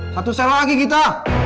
satu sel lagi kita